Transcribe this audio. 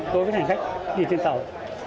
đối với hành khách đi trên tàu